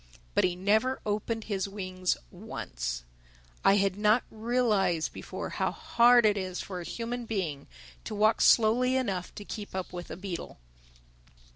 But he never opened his wings once. I had not realized before how hard it is for a human being to walk slowly enough to keep up with a beetle.